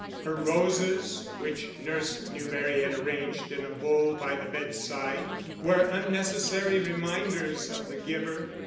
Her roses, which Nurse Newberry had arranged in a bowl by the bedside, were unnecessary reminders of the giver.